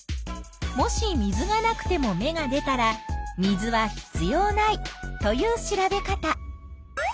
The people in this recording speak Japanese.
もし水がなくても芽が出たら水は必要ないという調べ方。